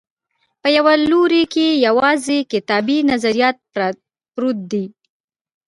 په یوه لوري کې یوازې کتابي نظریات پرت دي.